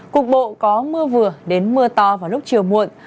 cục bộ có mưa vừa đến mưa to vào lúc chiều muộn